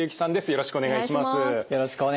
よろしくお願いします。